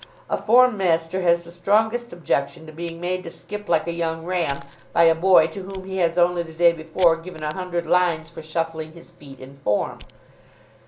A form master has the strongest objection to being made to skip like a young ram by a boy to whom he has only the day before given a hundred lines for shuffling his feet in form.